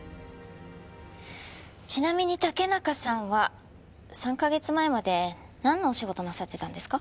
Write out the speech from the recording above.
ちなみに竹中さんは３カ月前までなんのお仕事なさってたんですか？